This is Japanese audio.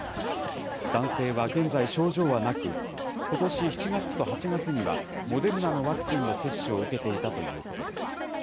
男性は現在、症状はなく、ことし７月と８月には、モデルナのワクチンの接種を受けていたということです。